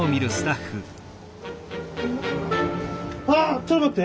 ちょっと待って。